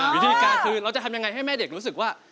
วิธีการคือเราจะทำยังไงให้แม่เด็กรู้สึกว่า